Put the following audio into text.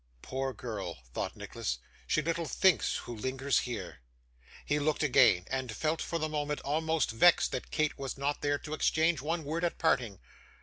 'Poor girl,' thought Nicholas, 'she little thinks who lingers here!' He looked again, and felt, for the moment, almost vexed that Kate was not there to exchange one word at parting.